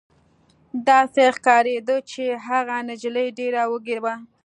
داسې ښکارېده چې هغه نجلۍ ډېره وږې وه